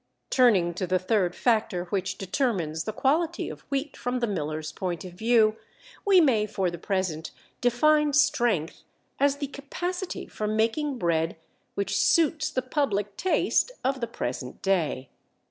Turning to the third factor which determines the quality of wheat from the miller's point of view, we may for the present define strength as the capacity for making bread which suits the public taste of the present day.